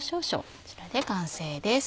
こちらで完成です